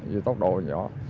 vì tốc độ nhỏ